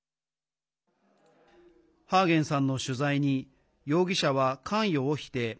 ハーゲンさんの取材に容疑者は関与を否定。